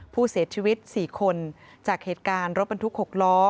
ผู้เสียชีวิต๔คนจากเหตุการณ์รถบรรทุก๖ล้อ